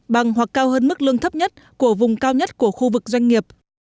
bằng hoặc cao hơn mức lương thấp nhất của vùng cao nhất của khu vực doanh nghiệp